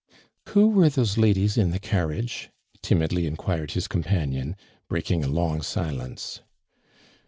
" Who were those ladies in the carriage ?" timidly inquired his compainion, breaking a long silence.